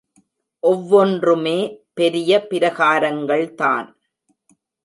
ஒவ்வொன்றுமே பெரிய பிரகாரங்கள்தான்.